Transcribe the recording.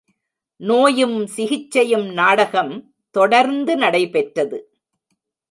நோயும் சிகிச்சையும் நாடகம் தொடர்ந்து நடைபெற்றது.